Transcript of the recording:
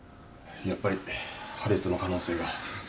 やっぱり破裂の可能性が。